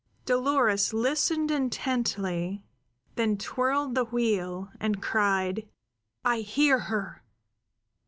Dolores listened intently; then twirled the wheel, and cried: "I hear her!